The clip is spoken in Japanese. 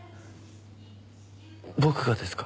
僕がですか？